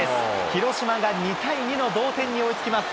広島が２対２の同点に追いつきます。